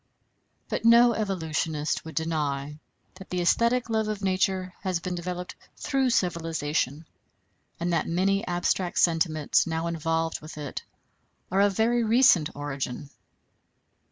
But no evolutionist would deny that the æsthetic love of nature has been developed through civilization, and that many abstract sentiments now involved with it are of very recent origin.